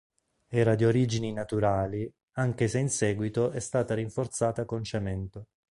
Era di origini naturali, anche se in seguito è stata rinforzata con cemento.